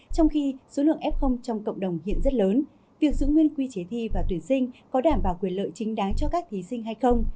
trong khi số lượng f trong cộng đồng hiện rất lớn việc giữ nguyên quy chế thi và tuyển sinh có đảm bảo quyền lợi chính đáng cho các thí sinh hay không